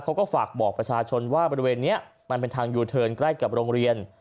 เขาก็ฝากบอกประชาชนว่าบริเวณนี้มันเป็นทางยูเทิร์นใกล้กับโรงเรียน